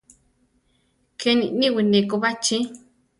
Keni niwí neko bachí.